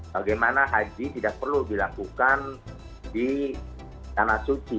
bagaimana haji tidak perlu dilakukan di tanah suci